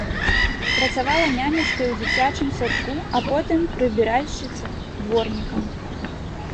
Працавала нянечкай у дзіцячым садку, а потым прыбіральшчыцай, дворнікам.